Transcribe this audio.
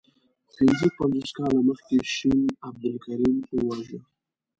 پنځه پنځوس کاله مخکي شین عبدالکریم وواژه.